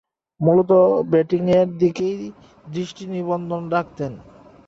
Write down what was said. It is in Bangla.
মূলতঃ ব্যাটিংয়ের দিকেই দৃষ্টি নিবদ্ধ রাখতেন।